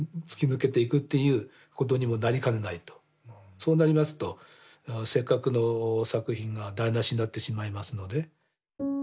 そうなりますとせっかくの作品が台なしになってしまいますので。